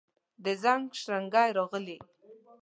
د زنګ شرنګی راغلي